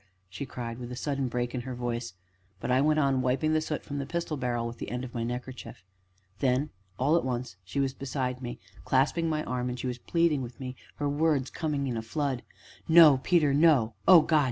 she cried with a sudden break in her voice; but I went on wiping the soot from the pistol barrel with the end of my neckerchief. Then, all at once, she was beside me, clasping my arm, and she was pleading with me, her words coming in a flood. "No, Peter, no oh, God!